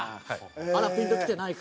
まだピンときてないか。